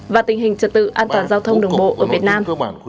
và tình hình trật tự an toàn giao thông đường bộ ở việt nam